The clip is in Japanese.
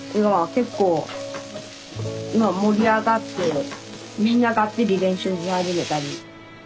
結構盛り上がってみんなガッツリ練習し始めたり。